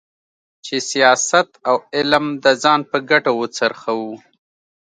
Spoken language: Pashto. چې سیاست او علم د ځان په ګټه وڅرخوو.